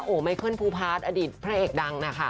อโอไมเคิลภูพาดอดีตพระเอกดัง